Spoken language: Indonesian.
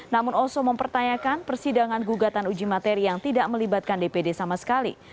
namun oso mempertanyakan persidangan gugatan uji materi yang tidak melibatkan dpd sama sekali